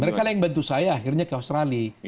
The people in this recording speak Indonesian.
mereka lah yang bantu saya akhirnya ke australia